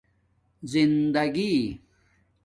زندگی